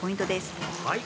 はい。